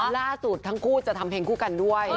ล่าสุดทั้งคู่จะทำเพลงคู่กันด้วย